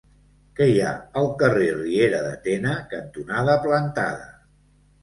Què hi ha al carrer Riera de Tena cantonada Plantada?